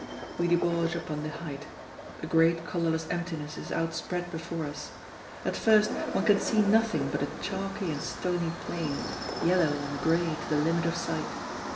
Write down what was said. We debouch upon the height. A great colorless emptiness is outspread before us. At first one can see nothing but a chalky and stony plain, yellow and gray to the limit of sight.